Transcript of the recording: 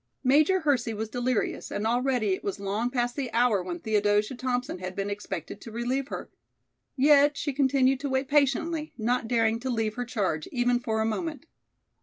Major Hersey was delirious and already it was long past the hour when Theodosia Thompson had been expected to relieve her. Yet she continued to wait patiently, not daring to leave her charge even for a moment.